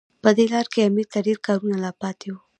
په دې لاره کې امیر ته ډېر کارونه لا پاتې وو.